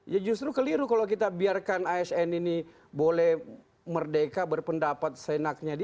ya justru keliru kalau kita biarkan asn ini boleh merdeka berpendapat seenaknya